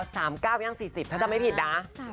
สามแก้วหัวสี่คานะ